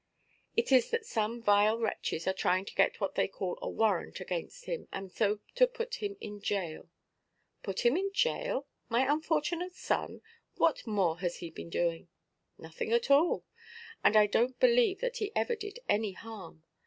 "It is that some vile wretches are trying to get what they call a warrant against him, and so to put him in jail." "Put him in jail? My unfortunate son! What more has he been doing?" "Nothing at all. And I donʼt believe that he ever did any harm.